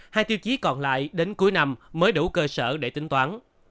hai tiêu chí còn lại đến cuối năm mới đủ cơ sở để tính toán